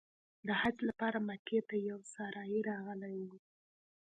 د حج لپاره مکې ته یو سارایي راغلی و.